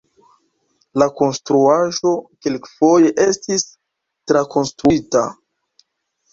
La konstruaĵo kelkfoje estis trakonstruita.